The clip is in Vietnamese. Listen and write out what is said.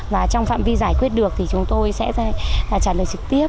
và trong phạm vi giải quyết được thì chúng tôi sẽ trả lời trực tiếp